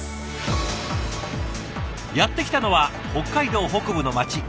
やって来たのは北海道北部の町